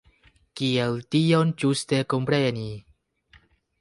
Kiel tion ĝuste kompreni?